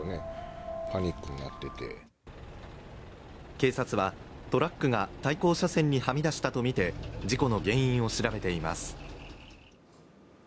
警察は、トラックが対向車線にはみ出したとみて事故の原因を調べています。